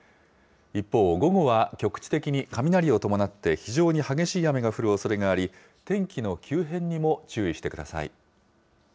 一方、午後は局地的に雷を伴って非常に激しい雨が降るおそれがあり、天気の急変にも注意してください。